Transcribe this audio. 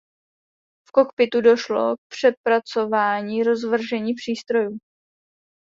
V kokpitu došlo k přepracování rozvržení přístrojů.